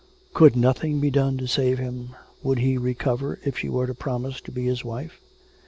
Could nothing be done to save him? Would he recover if she were to promise to be his wife?